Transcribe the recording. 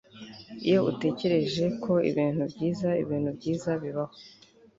iyo utekereje ko ibintu byiza, ibintu byiza bibaho